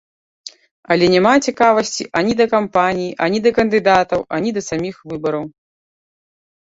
Але няма цікавасці ані да кампаніі, ані да кандыдатаў, ані да самых выбараў.